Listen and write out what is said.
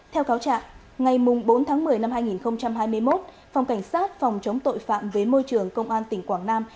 theo cáo trạng ngày bốn tháng một mươi năm hai nghìn hai mươi một phòng cảnh sát phòng chống tội phạm với môi trường công an tỉnh quảng nam